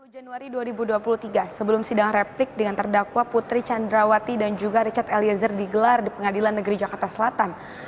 dua puluh januari dua ribu dua puluh tiga sebelum sidang replik dengan terdakwa putri candrawati dan juga richard eliezer digelar di pengadilan negeri jakarta selatan